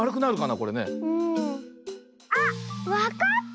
あっわかった！